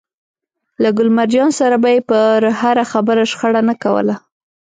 له ګل مرجان سره به يې پر هره خبره شخړه نه کوله.